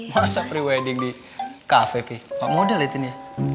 masa pre wedding di kafe pe kok model ya tin ya